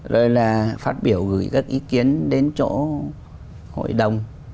rồi là phát biểu gửi các ý kiến đến chỗ hội đồng